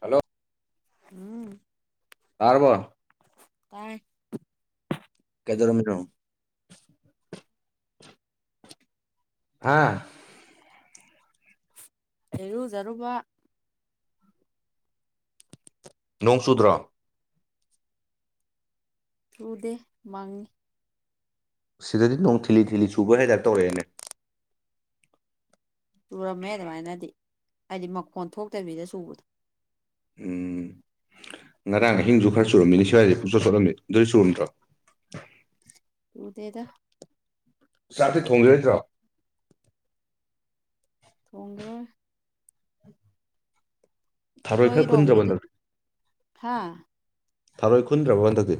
hello ꯎꯝ ꯇꯔꯔꯕꯣ ꯇꯥꯏ ꯀꯩꯗꯔꯃꯤꯔ꯭ꯔꯣ ꯍꯥꯥ ꯂꯩꯔꯨꯖꯔꯨꯕ ꯅꯣꯡ ꯆꯨꯗ꯭ꯔꯥ ꯇ꯭ꯔꯨꯗꯦ ꯃꯥꯡꯉꯤ ꯁꯤꯗꯗꯤ ꯅꯣꯡ ꯊꯤꯂꯤ ꯊꯤꯂꯤ ꯁꯨꯕ ꯍꯦꯗ ꯇꯧꯔꯛꯑꯦꯅꯦ ꯆꯨꯔꯝꯃꯦ ꯑꯗꯨꯃꯥꯏꯅꯗꯤ ꯍꯥꯏꯗꯤ ꯃꯈꯣꯟ ꯊꯣꯛꯇꯕꯤꯗ ꯁꯨꯕꯗꯣ ꯎꯝ ꯉꯔꯥꯡ ꯑꯍꯤꯡꯁꯨ ꯈꯔ ꯆꯨꯔꯝꯃꯤꯅꯤ ꯁꯋꯥꯏꯁꯦ ꯄꯨꯆꯠ ꯆꯣꯠꯂꯝꯃꯤ ꯑꯗꯨꯏ ꯆꯨꯔꯝꯗ꯭ꯔꯣ ꯎꯗꯇꯩꯗ ꯁꯥ ꯊꯣꯡꯒꯦꯠꯇ ꯊ꯭ꯔꯥꯎ ꯊꯣꯡꯒꯦꯔ ꯊꯔꯣꯏ ꯈꯔ ꯅꯣꯏꯔꯣꯝꯒꯤ ꯈꯨꯟꯖꯕꯟꯗ ꯍꯥ ꯊꯔꯣꯏꯈꯟ ꯕꯕꯥꯟ ꯊꯦ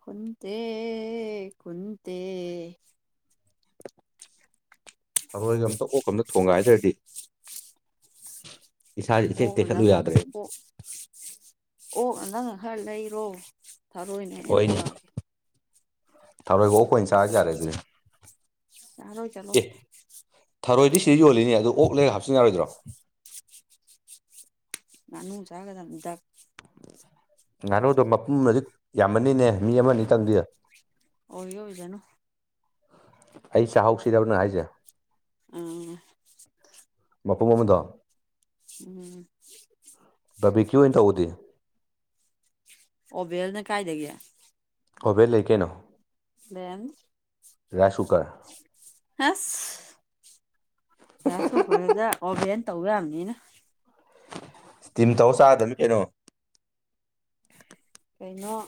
ꯈꯨꯟꯇꯦ ꯈꯨꯟꯇꯦ ꯍꯔꯣꯏꯒ ꯑꯝꯇ ꯑꯣꯀꯝꯇ ꯊꯣꯡꯒꯥꯏꯗ꯭ꯔꯗꯤ ꯏꯁꯥꯁꯦ ꯏꯇꯦꯛ ꯑꯣ ꯇꯦꯛꯈꯠꯂꯨ ꯅꯪ ꯌꯥꯗ꯭ꯔꯦ ꯑꯣ ꯑꯣ ꯅꯪꯅ ꯈꯔ ꯂꯩꯔꯣ ꯊꯥꯔꯣꯏ ꯑꯣꯏꯅꯅꯦꯍ ꯍꯣꯏꯅꯦ ꯄꯣꯔꯛꯑꯒꯦ ꯊꯔꯣꯏꯒ ꯑꯩꯣꯏꯅ ꯆꯥ ꯌꯥꯔꯦ ꯑꯗꯨꯗꯤ ꯆꯔꯣ ꯆꯂꯣ ꯑꯦ ꯊꯔꯣꯏꯗꯤ ꯁꯤꯗ ꯌꯣꯜꯂꯤꯅꯤ ꯑꯗꯨꯣ ꯑꯣꯛꯂꯒ ꯍꯥꯞꯆꯤꯟ ꯌꯥꯔꯣꯏꯗ꯭ꯔꯣ ꯅꯅꯨ ꯆꯥ ꯀꯗ ꯏꯗ ꯉꯥꯅꯨꯗꯣ ꯃꯄꯨꯝ ꯍꯧꯖꯤꯛ ꯌꯥꯝꯃꯅꯤꯅꯦ ꯃꯤ ꯑꯃꯅꯤꯅꯤꯇꯪꯗꯤꯗ ꯑꯣꯍ ꯍꯧꯖꯅ ꯑꯩ ꯆꯥꯛꯍꯧꯁꯤꯗꯧꯅ ꯍꯥꯏꯁꯦ ꯑ ꯃꯄ ꯃꯃꯗ ꯎꯝ ꯕꯤꯀꯤ ꯑꯣꯏꯅ ꯇꯧꯎꯗꯦ ꯑꯣꯕꯦꯜꯅꯦ ꯀꯥꯏꯗꯒꯦ ꯑꯣꯕꯦꯜ ꯂꯩ ꯀꯩꯅꯣ ꯕꯦꯝ ꯌꯥꯁꯨꯨ ꯑ ꯑꯦꯁꯣ ꯈꯗ ꯑꯣꯕꯦꯟ ꯇꯧꯔꯕꯅꯤꯅ ꯏꯁꯇꯤꯝ ꯇꯧ ꯆꯥꯗꯕꯅꯤ ꯀꯩꯅꯣ ꯀꯩꯅꯣ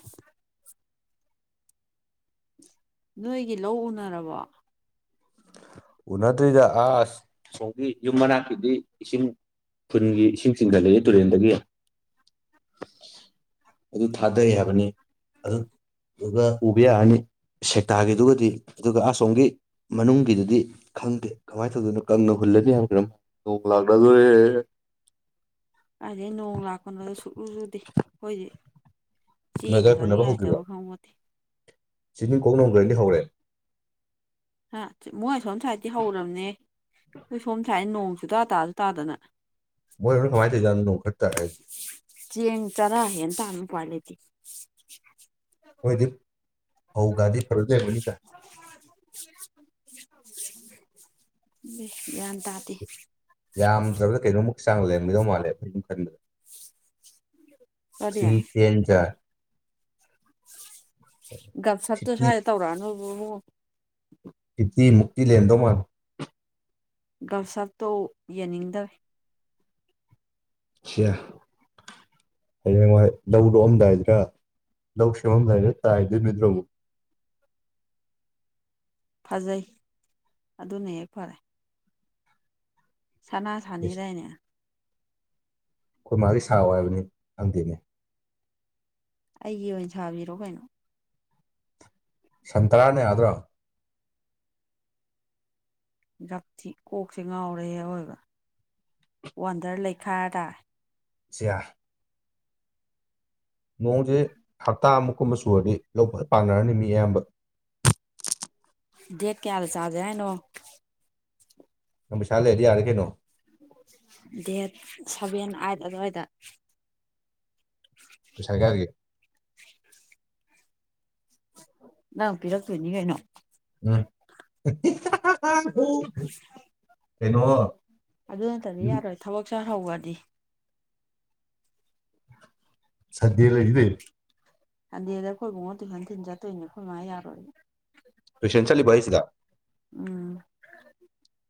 ꯅꯣꯏꯒꯤ ꯂꯧ ꯎꯅꯔꯕꯣ ꯎꯅꯗ꯭ꯔꯤꯗ ꯑꯁ ꯁꯣꯝꯒꯤ ꯌꯨꯝ ꯃꯅꯥꯛꯀꯤꯗꯤ ꯏꯁꯤꯡ ꯈꯨꯟꯒꯤ ꯏꯁꯤꯡꯁꯤꯡꯤꯡꯒ ꯂꯩꯌꯦ ꯇꯨꯔꯦꯟꯗꯒꯤ ꯑꯗꯨ ꯊꯥꯗꯩ ꯍꯥꯏꯕꯅꯤ ꯑꯗꯨ ꯑꯗꯨꯒ ꯎꯕ ꯌꯥꯔꯅꯤ ꯁꯦꯛꯇꯥꯒꯤꯗꯨꯒꯗꯤ ꯑꯗꯨꯒ ꯑꯁꯣꯝꯒꯤ ꯃꯅꯨꯡꯒꯤꯗꯨꯗꯤ ꯈꯪꯗꯦ ꯀꯃꯥꯏꯅ ꯇꯧꯗꯣꯏꯅꯣ ꯀꯪꯅ ꯍꯨꯜꯂꯅꯤ ꯍꯥꯏ ꯀꯅ ꯂꯥꯛꯂ ꯀꯥꯏꯗꯩ ꯅꯣꯡ ꯂꯥꯛꯄꯅꯣꯗ ꯁꯨꯛꯆꯨ ꯆꯨꯗꯦ ꯑꯩꯈꯣꯏꯗꯤ ꯆꯦꯡꯒ ꯖꯔ ꯐꯨꯅꯕ ꯆꯥꯅꯤꯡꯉꯥꯏ ꯍꯧꯈꯤꯕ ꯂꯩꯇꯕ ꯈꯪꯄꯣꯠꯇꯦ ꯆꯤꯅꯤ ꯀꯣꯛ ꯅꯣꯡꯈ꯭ꯔꯗꯤ ꯍꯧꯔꯦ ꯃꯣꯏꯥꯏ ꯁꯣꯝ ꯁ꯭ꯋꯥꯏꯗꯤ ꯍꯧꯔꯕꯅꯦ ꯑꯩꯈꯣꯏ ꯁꯣꯝ ꯁ꯭ꯋꯥꯏꯗ ꯅꯣꯡ ꯇꯥ ꯇꯥꯁꯨ ꯇꯥꯗꯅ ꯃꯣꯏ ꯍꯅ ꯀꯃꯥꯏꯅ ꯇꯧꯖꯥꯅꯣ ꯈꯔ ꯇ ꯍꯥꯏꯦ ꯆꯡ ꯇꯔ ꯌꯦ ꯇ ꯑꯅꯨꯄꯂꯤꯦꯗꯤ ꯍꯣꯏꯗꯤ ꯐꯧ ꯒꯥꯗꯤ ꯐꯔ ꯂꯩꯔꯕꯅꯤꯗ ꯌꯥꯟ ꯇꯥꯇ ꯌꯥꯝꯗ꯭ꯔꯕꯗ ꯀꯩꯅꯣꯃꯨꯛ ꯆꯥꯡ ꯂꯩꯃꯤꯗꯧ ꯃꯥꯜꯂꯦ ꯐꯝ ꯈꯟꯕꯗ ꯀꯔꯤ ꯁꯤ ꯇꯦꯟ ꯆꯥ ꯒꯞꯁꯞꯇꯣ ꯁ ꯐꯤꯐꯇꯤ ꯇꯧꯔꯅꯕ ꯏꯂꯦꯟꯦꯟꯗ ꯃꯥ ꯒꯝꯁꯞꯇꯣ ꯌꯦꯡꯅꯤꯡꯗꯕꯦ ꯁꯤꯦ ꯍꯌꯦꯡꯋꯥꯏ ꯂꯧꯗꯣꯛꯑꯝꯗꯥꯏꯗ꯭ꯔꯥ ꯂ ꯂꯧ ꯁꯃꯝ ꯍꯥꯏꯔꯦ ꯇꯥꯏꯗ ꯃꯤꯗ꯭ꯔꯍ ꯐꯖꯩ ꯑꯗꯨꯅ ꯍꯦ ꯐꯔꯦ ꯁꯅꯥ ꯁꯅꯤꯔꯅꯦ ꯑꯩꯈꯣꯏ ꯃꯥꯗꯤ ꯁꯥ ꯍꯥꯏꯕꯅꯤ ꯈꯪꯗꯦꯅꯦ ꯑꯩꯒꯤ ꯑꯣꯏꯅ ꯁꯥꯕꯤꯔꯣ ꯀꯩꯅꯣ ꯁꯟꯇꯔꯥꯅꯦ ꯌꯥꯗ꯭ꯔꯣ ꯖꯥꯊꯤ ꯀꯣꯛꯁꯦ ꯉꯥꯎꯔꯦꯔꯣꯏꯕ ꯋꯥꯟꯗꯔ ꯂꯩꯈꯥꯗ ꯌꯥ ꯅꯣꯡꯁꯦ ꯍꯞꯇꯥ ꯑꯃꯨꯛ ꯀꯨꯝꯕ ꯁꯨꯔꯗꯤ ꯂꯧꯕ ꯄꯥꯟꯅꯔꯅꯤ ꯃꯤ ꯑꯌꯥꯝꯕ [inaudible] ꯗꯦꯠ ꯀꯌꯥꯗ ꯆꯥꯖꯦ ꯍꯥꯏꯩꯅꯣ ꯅꯪ ꯄꯁꯥꯂꯦ ꯍꯥꯏꯗꯤ ꯌꯥꯔꯦ ꯀꯩꯅꯣ ꯗꯦꯠ ꯁꯚꯦꯟ ꯑꯥꯏꯠ ꯑꯗꯨꯋꯥꯏꯗ ꯄꯩꯁꯥ ꯀꯥꯏꯗꯒꯤ ꯅꯪ ꯄꯤꯔꯛꯇꯣꯏꯅꯤ ꯀꯩꯅꯣ ꯎꯝ ꯀꯩꯅꯣ ꯑꯗꯨ ꯅꯠꯇꯗꯤ ꯌꯥꯔꯣꯏ ꯊꯕꯛ ꯆꯥꯍꯧꯧꯕꯗꯤ ꯁꯗꯂ ꯏꯗ ꯍꯗꯤꯦꯗ ꯈꯣꯏꯕꯨꯡꯉꯣ ꯑꯗꯨꯨ ꯍꯅ ꯇꯤꯟ ꯆꯥꯠꯇꯣꯏꯅꯦ ꯈꯣꯏꯃ ꯌꯥꯔꯣꯏ ꯁꯦꯟꯁꯂꯤ ꯕꯁꯗ ꯎꯝ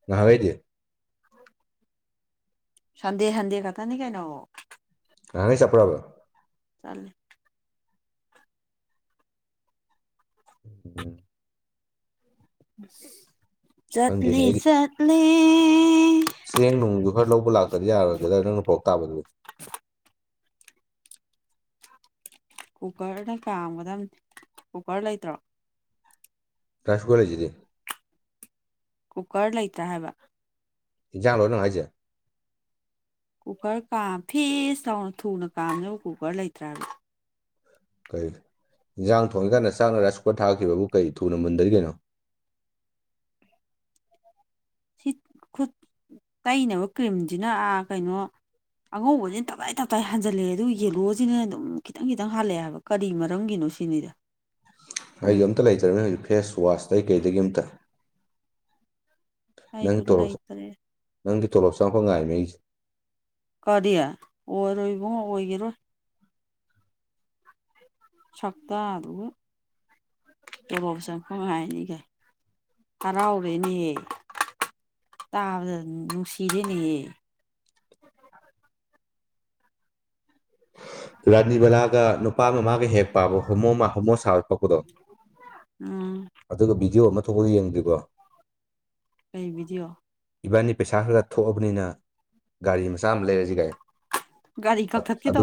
ꯉꯍꯒꯣꯏꯗꯤ ꯁꯟꯗꯦ ꯁꯟꯗꯦ ꯀꯊꯅꯤ ꯀꯥꯏꯅ ꯉꯅꯤ ꯆꯄ꯭ꯔꯕ ꯆꯂꯦ ꯎꯝ ꯈꯪꯗꯦꯅꯦ ꯆꯠꯂꯤ ꯑꯩꯗꯤ ꯆꯠꯂꯤ ꯆꯦꯡ ꯅꯨꯡꯗꯨ ꯈꯔ ꯂꯧꯕ ꯂꯥꯛꯇꯗꯤ ꯌꯥꯔꯔꯣꯏꯒꯦꯗ ꯅꯪꯅ ꯄꯣꯔꯣꯛ ꯇꯥꯕꯗꯨ ꯀꯨꯀꯔꯅ ꯀꯥꯝꯒꯗꯕꯅꯤ ꯀꯨꯀꯔ ꯂꯩꯇ꯭ꯔꯣ ꯔꯥꯁꯒꯣꯂꯦꯖꯗꯗꯤ ꯀꯨꯀꯔ ꯂꯩꯇ ꯍꯥꯏꯕ ꯖꯥꯡꯂꯣ ꯅꯨꯡꯉ ꯍꯥꯏꯁꯦ ꯀꯨꯀꯔ ꯀꯥ ꯐꯦ ꯆꯥꯎꯅ ꯊꯨꯅ ꯀꯥꯝꯅꯕ ꯀꯨꯀꯔ ꯂꯩꯇ꯭ꯔꯕ ꯀꯔꯤ ꯏꯟꯖꯥꯡ ꯊꯣꯡꯉꯤꯀꯥꯟꯗ ꯆꯥꯛ ꯔꯁ ꯀꯄꯔ ꯊꯥꯈꯤꯕꯕꯨ ꯀꯔꯤ ꯊꯨꯅ ꯃꯨꯗꯔꯤꯒꯅꯣ [inaudible] ꯁꯤ ꯈꯨꯠ ꯇꯩꯅꯕ ꯀ꯭ꯔꯤꯝꯁꯤꯅꯥ ꯀꯩꯅꯣ ꯑꯉꯧꯕꯁꯤꯅ ꯇꯞꯇꯥꯏ ꯇꯞꯇꯥꯏ ꯍꯟꯖꯜꯂꯛꯑꯦ ꯑꯗꯨ ꯌꯦꯜꯂꯣꯁꯤꯅ ꯑꯗꯨꯝ ꯈꯤꯇꯪ ꯈꯤꯇꯪ ꯍꯜꯂꯛꯑꯦ ꯍꯥꯏꯕ ꯀꯔꯤ ꯃꯔꯝꯒꯤꯅꯣ ꯄꯨꯁꯤꯅꯤꯗ ꯑꯩꯁꯨ ꯑꯝꯇ ꯂꯩꯖꯔꯕꯕꯅꯦ ꯍꯧꯖꯤꯛ ꯐꯦꯁ ꯋꯥꯁꯇ ꯀꯩꯗꯒꯤ ꯑꯝꯇ ꯅꯪꯒꯤ ꯑꯩꯁꯨ ꯇꯣꯂꯣꯞ ꯂꯩꯇ꯭ꯔꯦ ꯅꯪꯒꯤ ꯇꯣꯂꯣꯞ ꯆꯪꯉꯛꯄ ꯉꯥꯏꯃꯦ ꯑꯩꯁꯦ ꯀꯔꯤ ꯑꯣꯏꯔꯣꯏ ꯏꯕꯨꯡꯉ ꯑꯣꯏꯈꯤꯔꯣꯏ ꯁꯞꯗ ꯑꯗꯨ ꯑꯦꯕꯥꯎꯕ ꯆꯪ ꯐꯉꯥꯏꯅꯤꯒ ꯍꯔꯥꯎꯔꯦꯅꯦ ꯇꯥ ꯅꯨꯡꯁꯤꯔꯦꯅꯤꯌꯦ ꯔꯥꯖꯅꯤꯕꯂꯥ ꯀ ꯅꯨꯄꯥ ꯃꯃꯥꯒ ꯍꯦ ꯄꯣ ꯍꯣꯃꯣꯁ ꯄꯄꯗꯣ ꯎꯝ ꯑꯗꯨꯒ ꯚꯗꯤꯑꯣ ꯑꯃ ꯊꯨꯕꯛ ꯌꯦꯡꯗ꯭ꯔꯤꯕ ꯀꯩꯕꯤꯗꯤꯑꯣ ꯏꯕꯥꯟꯅꯤ ꯄꯩꯁꯥ ꯈꯔ ꯊꯣꯛꯑꯕꯅꯤꯅ ꯒꯥꯔꯤ ꯃꯆꯥ ꯑꯃ ꯂꯩꯔꯁꯤꯒꯥꯏ ꯒꯥꯔꯤ ꯀꯛ ꯈꯠꯀꯤ ꯑꯗꯨ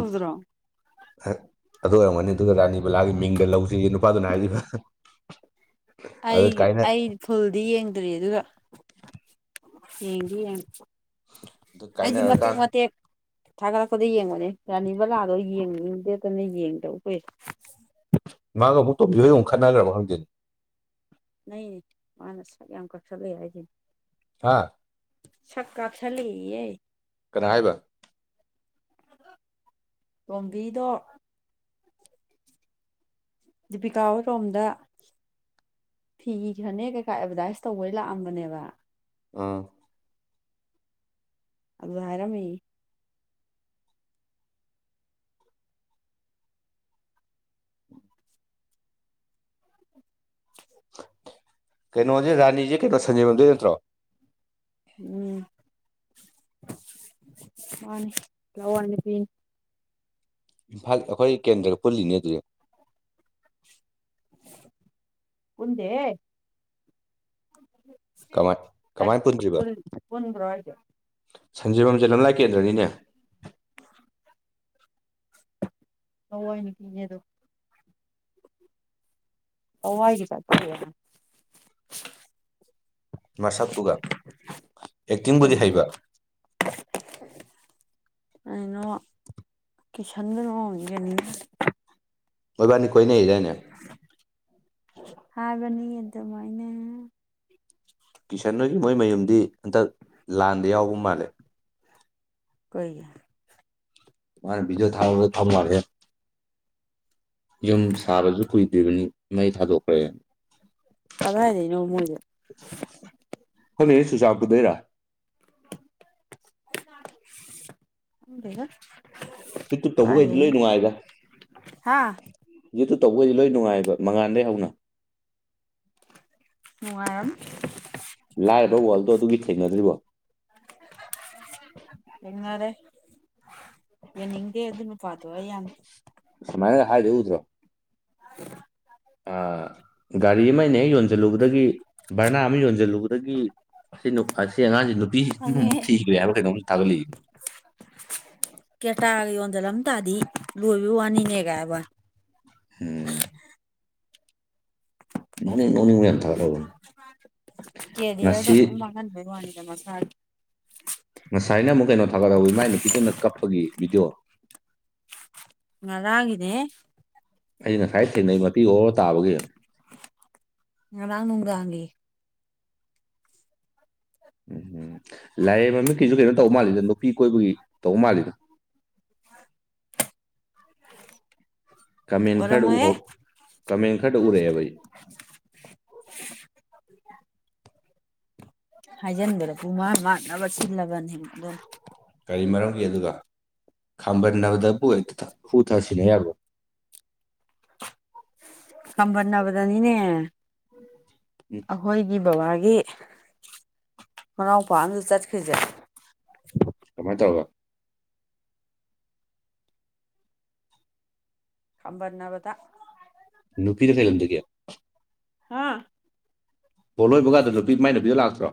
ꯑꯣꯏꯔꯝꯒꯅꯤ ꯑꯗꯨꯒ ꯔꯥꯅꯤꯕꯂꯥꯒꯤ ꯃꯤꯡꯗ ꯂꯧꯁꯤꯔꯤ ꯅꯨ ꯑꯗꯨꯅ ꯍꯥꯏꯗꯤ ꯐ ꯑꯩ ꯑꯩ ꯐꯨꯜꯗꯤ ꯌꯦꯡꯗ꯭ꯔꯤ ꯑꯗꯨꯒ ꯌꯦꯗꯤ ꯌꯥ ꯑꯗꯨ ꯑꯩꯗꯤ ꯃꯇꯦꯛ ꯀꯥꯏꯅꯔꯀꯥꯟ ꯃꯇꯦꯛ ꯊꯥꯒꯠꯂꯛꯄꯗ ꯌꯦꯡꯕꯅꯦ ꯔꯅꯤꯕ ꯂꯥꯛꯑꯂꯣꯏ ꯌꯦꯡꯉ ꯛꯇꯅ ꯌꯦꯡꯗꯧ ꯀꯨꯏ ꯑꯉ ꯑꯃꯕꯨ ꯊꯣ ꯕꯤꯍꯣꯏ ꯑꯣꯡꯈꯅꯥ꯭ꯔꯕ ꯈꯪꯗ ꯅ ꯃꯥꯅꯁꯒꯤ ꯌꯥꯝ ꯀꯛ ꯆ ꯂꯩ ꯍꯥꯏꯗꯤ ꯍꯥꯥ ꯁꯛꯀꯥꯁ ꯂꯩꯌꯦ ꯀꯅꯥ ꯍꯥꯏꯕ ꯇꯣꯝꯕꯤꯗꯣ ꯗꯤꯄꯤꯀꯥ ꯑꯣꯏ ꯔꯣꯝꯗ ꯐꯤꯈ꯭ꯔꯅꯦ ꯀꯩꯀꯥ ꯑꯦꯚꯔꯗꯥꯏꯁ ꯇꯧꯕꯩ ꯂꯥꯛꯑꯝꯕꯅꯦꯕ ꯑꯥ ꯑꯗꯨꯚꯔ ꯃ ꯀꯩꯅꯣꯁꯦ ꯔꯥꯅꯤꯁꯦ ꯀꯩꯅꯩꯅꯣ ꯁꯟꯖꯦꯃꯗ ꯅꯠꯇ꯭ꯔꯣ ꯎꯝ ꯋꯥꯅꯤ ꯂꯋꯥꯅꯤ ꯄꯅꯤ ꯏꯝꯐꯥꯜ ꯑꯩꯈꯣꯏ ꯀꯦꯟꯗ꯭ꯔ ꯄꯨꯜꯂꯤꯅꯦ ꯑꯗꯨꯗꯤ ꯄꯨꯗꯦ ꯀꯃꯥꯏ ꯀꯃꯥꯏꯅ ꯄꯨꯟꯗ꯭ꯔꯤꯕ ꯄꯨꯟꯕ꯭ꯔꯣ ꯍꯥꯏꯁꯦ ꯁꯟꯖꯤꯕꯝꯖꯦꯂꯝꯂꯥꯏ ꯀꯦꯟꯗ꯭ꯔꯅꯤꯅꯦ ꯍꯣꯏ ꯀ ꯌꯦꯗ ꯑ ꯋꯥꯏꯒꯤ ꯆꯠ ꯃꯁꯛꯇꯨꯒ ꯑꯦꯛꯇꯤꯡꯕꯨꯗꯤ ꯀꯩꯅꯣ ꯍꯩꯕ ꯑꯩꯅꯀꯤ ꯁꯟꯗꯅ ꯑꯣꯏꯒꯅꯤ ꯑꯣꯏꯕꯅꯤꯣ ꯍꯥꯥꯕꯅꯤꯌꯦꯗ ꯃꯥꯏꯅꯦ ꯀꯤꯁꯟ ꯅꯣꯏꯒꯤ ꯃꯣꯏ ꯃꯌꯨꯝꯗꯤ ꯍꯟꯇꯛ ꯂꯥꯟꯗ ꯌꯥꯎꯕ ꯃꯥꯜꯂꯦ ꯀꯣꯏ ꯃꯥꯅ ꯕꯤꯖꯣ ꯊꯥꯥꯎ ꯊꯝꯕ ꯃꯥꯔꯦ ꯌꯨꯝ ꯁꯥꯕꯁꯨ ꯀꯨꯏꯗ꯭ꯔꯤꯕꯅꯤ ꯃꯩ ꯊꯥꯗꯣꯛꯈ꯭ꯔꯦ ꯀꯂꯥꯏꯗꯦ ꯏꯅꯣꯃꯣꯏꯦ ꯍꯅꯦ ꯁꯁꯥꯞ ꯀꯗꯔ ꯎꯦꯕ ꯁꯤ ꯇꯍꯒ ꯏꯂ ꯅꯨꯡꯉꯑꯒ ꯍꯥ ꯌꯦ ꯇꯧꯕꯩꯗꯤ ꯂꯣꯏ ꯅꯨꯡꯉꯥꯏꯕ ꯃꯉꯥꯥꯟꯗꯒꯤꯩ ꯍꯧꯅ ꯅꯨꯡꯉꯔꯝ ꯂꯥꯏꯔꯕ ꯋꯥꯔꯜꯗꯣ ꯑꯗꯨꯒꯤ ꯊꯦꯡꯅꯗ꯭ꯔꯤꯕꯣ ꯌꯥꯅꯤꯡꯗꯦ ꯑꯗꯨ ꯑꯗꯨꯅ ꯄꯥꯠꯇ ꯋꯥ ꯌꯥꯟ ꯃꯥꯏꯅꯦ ꯍꯥꯏꯥ ꯌꯎꯗ [inaudible] ꯒꯥꯔꯤ ꯑꯃ ꯑꯩꯅ ꯍꯦꯛ ꯌꯣꯟꯁꯤꯜꯂꯨꯕꯗꯒꯤ ꯚꯔꯅꯥ ꯑꯃ ꯌꯣꯟꯁꯤꯜꯂꯨꯕꯗꯒꯤ ꯑꯁꯤ ꯑꯁꯤ ꯑꯉꯥꯡꯁꯤ ꯅꯨꯄꯤꯁꯤꯛ ꯈꯪꯉꯦ ꯊꯤꯈ꯭ꯔꯦ ꯍꯥꯏꯕ ꯀꯩꯅꯣꯝ ꯊꯥꯒꯠꯂꯛꯏ ꯀꯦꯇꯥꯒ ꯌꯣꯟꯖꯜꯂꯝ ꯇꯥꯗꯤ ꯂꯣꯏꯕ ꯋꯥꯅꯤꯅꯦ ꯀꯥꯏꯕ ꯍꯝ ꯅꯅꯦꯅꯦ ꯀꯗꯤ ꯉꯁꯤ ꯎꯃ ꯀꯕ ꯋꯥꯅꯤꯗꯃ ꯁꯥ ꯉꯁꯥꯏꯅ ꯑꯃꯨꯛ ꯀꯩꯅꯣ ꯊꯥꯒꯠꯗꯧ ꯏ ꯃꯥꯏ ꯅꯨꯄꯤꯗꯨꯅ ꯀꯞꯄꯒꯤ ꯚꯗꯤꯑꯣ ꯉꯗꯦ ꯑꯩ ꯉꯁꯥꯏ ꯊꯦꯡꯅꯩ ꯃꯄꯤ ꯑꯣꯔ ꯇꯥꯕꯒꯤ ꯑ ꯂꯅꯨꯗꯦ ꯎꯝ ꯎꯝ ꯂꯥꯏꯌꯦꯡ ꯃꯃꯤꯠꯀꯤꯁꯨ ꯀꯩꯅꯣ ꯇꯧꯕ ꯃꯥꯜꯂꯤꯗ ꯅꯨꯄꯤ ꯀꯣꯏꯕꯒꯤ ꯇꯧꯕ ꯃꯥꯜꯂꯤꯗ [unintelligible] ꯀꯃꯦꯟ ꯈꯔꯗ ꯑꯣꯏꯔꯝꯃꯣꯏꯍꯦ ꯎꯍꯧ ꯀꯃꯦꯟ ꯈꯔꯗ ꯎꯔꯛꯑꯦꯕꯩ ꯍ ꯍꯥꯏꯖꯤꯟꯗꯦꯔꯁꯨꯨꯡ ꯃꯥ ꯃꯥꯟꯅꯕ ꯁꯤꯜꯂꯕꯅꯦ ꯍ ꯀꯔꯤ ꯃꯔꯝꯒꯤ ꯑꯗꯨꯒ ꯈꯥꯝꯕꯟꯅꯕꯗꯕꯨꯛꯇ ꯍꯨ ꯊꯥꯁꯤꯟꯅ ꯌꯥꯕ꯭ꯔꯣ [inaudible] ꯈꯝꯕꯟꯅꯕꯗꯅꯤꯅꯦ ꯎꯝ ꯑꯩꯈꯣꯏꯒꯤ ꯕꯕꯥꯒꯤ ꯃꯅꯥꯎꯄꯥ ꯑꯝꯗ ꯆꯠꯈ꯭ꯔꯤꯁꯦ ꯁꯨꯃꯥꯏꯅ ꯇꯧꯕꯒ ꯈꯝꯕꯔ ꯅꯕꯗ ꯅꯨꯄꯤꯗ ꯀꯩ ꯂꯝꯗꯒꯤ ꯍꯥꯥ ꯍꯣ ꯂꯣꯏꯕ ꯀꯥꯟꯗ ꯅꯨꯄꯤꯃꯥꯏꯅꯕꯤꯗꯨ ꯂꯥꯛꯇ꯭ꯔꯣ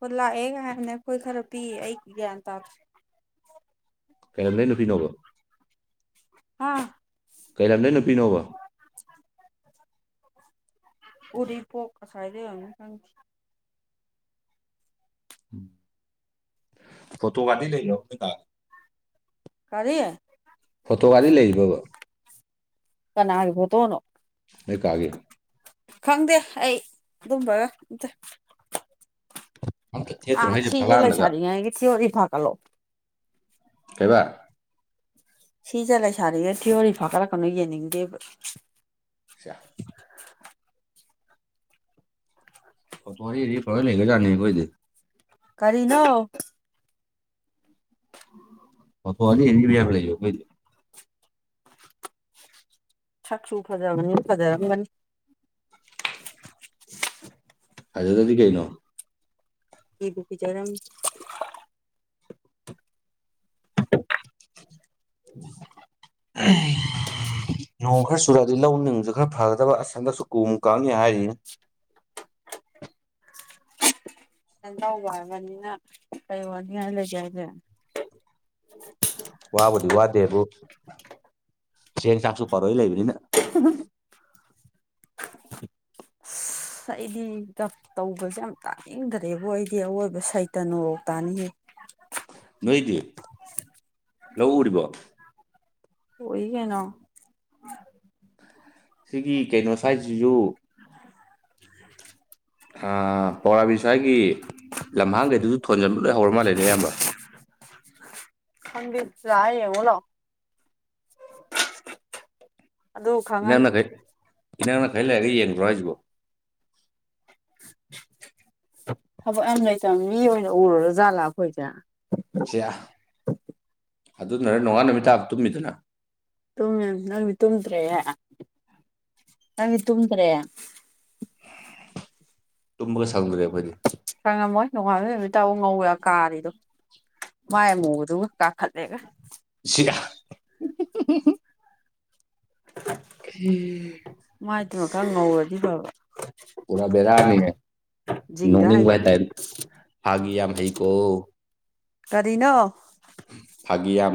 ꯍꯣꯏ ꯂꯥꯛꯑꯦ ꯀ ꯍꯥꯏꯅ ꯑꯩꯈꯣꯏ ꯈꯔ ꯄꯤ ꯑꯩ ꯒ꯭ꯌꯥꯟ ꯇꯥꯗꯦ ꯀꯩꯅꯣꯝꯗꯒꯤ ꯅꯨꯄꯤꯅꯣꯕ ꯑꯥ ꯀꯩꯂ ꯌꯥꯝ ꯅ ꯅꯨꯄꯤꯤ ꯅꯣꯕ ꯎꯗꯔꯤ ꯄꯣꯛꯀ ꯁꯥꯏꯗꯪꯁꯤ ꯐꯣ ꯇꯣ ꯋꯥꯗꯤ ꯂꯩ ꯂ ꯅ ꯇꯔꯦ ꯀꯔꯤ ꯐꯣꯇꯣꯒꯥꯗꯤ ꯂꯩꯔꯤꯕꯕꯣ ꯀꯅꯥꯒꯤꯕꯣ ꯇꯧꯅꯣ ꯃꯥꯒꯦ ꯈꯪꯗꯦ ꯑꯩ ꯑꯗꯨꯝꯕꯒ ꯏꯝ [inaudible] ꯊꯦꯠꯇ꯭ꯔꯣ ꯑꯥ ꯍꯥꯏꯁꯦ ꯁꯤꯖ ꯂꯩ ꯐꯛꯂꯥꯡꯗꯒ ꯁꯥꯔꯤ ꯀꯁꯤꯤ ꯑꯣꯏꯔꯤ ꯐꯥꯀꯂꯣ ꯀꯕꯥ ꯁꯤꯁꯦ ꯂꯩ ꯁꯥꯔꯤꯅ ꯊꯤꯑꯣꯔꯤ ꯐꯥꯒꯠꯂꯛꯀꯅꯨ ꯌꯦꯡꯅꯤꯡꯗꯦꯕ ꯁꯤꯌꯥ ꯑꯣ ꯇꯔꯤ ꯐ ꯂꯩꯒ ꯌꯥꯅꯤ ꯀꯗꯤ ꯀꯔꯤꯅ ꯑ ꯐꯣ ꯑꯅꯤ ꯂꯩ ꯀ ꯁꯛꯁꯨ ꯐꯖꯕꯅꯤ ꯐꯖꯔꯝꯒꯅꯤ ꯍꯥꯏꯖꯗꯗꯤ ꯀꯩꯩꯅꯣ ꯀꯕꯨ ꯄꯤꯖꯔꯝ ꯑꯦ ꯅꯣꯡ ꯈꯔ ꯆꯨꯔꯛꯑꯗꯤ ꯂꯧ ꯅꯨꯡꯁꯨ ꯈꯔ ꯐꯒꯗꯕ ꯑꯁꯟꯗꯁꯨ ꯀꯨ ꯀꯥꯉ ꯍꯥꯏꯔꯤꯅꯤ [inaudible] ꯀꯇ ꯋꯥ ꯍꯥꯏꯔꯕꯅꯤꯅ ꯀꯩ ꯋꯥꯅꯤ ꯍꯥꯏꯥꯏꯅ ꯂꯩꯒꯦ ꯍꯥꯏꯁꯦ ꯋꯥꯕꯨꯗꯤ ꯋꯥꯗꯦꯕꯨ ꯁꯦꯡ ꯆꯥꯛꯁꯨ ꯄꯔꯣꯏ ꯂꯩꯕꯅꯤꯅ ꯑꯁ ꯑꯩꯗꯤ ꯇꯧꯕꯁꯦ ꯌꯥꯝ ꯇꯥꯅꯤꯡꯗ꯭ꯔꯦꯕ ꯑꯩꯗꯤ ꯑꯋꯣꯏꯕ ꯁꯩꯇ ꯅꯧ ꯇꯥꯅꯤꯡꯌꯦꯦ ꯅꯣꯏꯗꯤ ꯂꯧꯎꯔꯤꯕꯣ ꯑꯣꯏꯏ ꯀꯅ ꯁꯤꯒꯤ ꯀꯩꯅꯣ ꯁ꯭ꯋꯥꯏꯁꯤꯁꯨ ꯑ ꯍꯧꯔꯥꯕꯤ ꯁ꯭ꯋꯥꯏꯒꯤ ꯂꯝꯍꯥꯡꯈꯩꯗꯨꯁꯨ ꯊꯣꯟꯖꯟꯕ ꯂꯣꯏ ꯍꯧꯔ ꯃꯥꯜꯂꯦꯅꯦ ꯑꯌꯥꯝꯕ [inaudible] ꯈꯟꯗꯤ ꯆꯌꯦ ꯑꯣꯂꯣ ꯑꯗꯨ ꯈꯪꯉꯅꯤ ꯏꯅꯥꯎꯅ ꯈꯩ ꯂꯩꯔꯒ ꯌꯦꯡꯈ꯭ꯔꯣ ꯍꯥꯏꯁꯤꯕꯣ ꯊꯕꯛ ꯌꯥꯝ ꯂꯩꯇꯕ ꯃꯤ ꯑꯣꯏꯅ ꯎꯔꯨꯔ ꯖꯥꯠꯂꯥ ꯑꯩꯈꯣꯏꯁꯦ ꯁꯤ ꯑ ꯑꯗꯨꯅꯔꯦ ꯅꯣꯡꯉꯥ ꯅꯨꯃꯤ ꯇꯥ ꯇꯨꯝꯃꯤꯗꯨꯅ ꯇ ꯅꯪꯕꯤ ꯇꯨꯝꯇ꯭ꯔꯦ ꯅꯪꯕꯤ ꯇꯨꯝꯇ꯭ꯔꯦ ꯇꯨꯀ ꯁꯒꯦ ꯐꯗꯤ ꯈꯪꯉꯝꯃꯣꯏ ꯅꯣꯡꯉꯥꯜꯗ ꯅꯨꯃꯤꯠ ꯇꯧ ꯉꯧꯋꯦ ꯀꯥꯔꯤꯗꯣ ꯃꯥꯏ ꯑꯃꯨꯕꯗꯨꯒ ꯀꯥ ꯈꯜ ꯂꯩꯦꯒ ꯎ ꯃꯥꯏꯗꯨꯃ ꯈ ꯉꯧꯔꯗꯤ ꯐꯕ ꯄꯨꯔ ꯕꯗꯥꯃꯤ ꯖꯤꯡꯒ ꯅꯣꯡꯅꯤꯡ ꯇ ꯍꯩꯒꯠꯂꯦ ꯍꯥꯏꯒꯏ ꯀꯣ ꯀꯔꯤꯅꯣ ꯐꯒ ꯌꯥꯝ ꯑꯃ